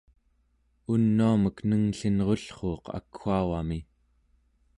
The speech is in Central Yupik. unuamek nengllinruuq akwaugami